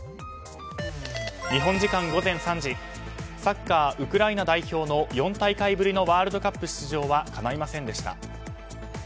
日本時間午前３時サッカー、ウクライナ代表の４大会ぶりのワールドカップ出場はかないませんでした。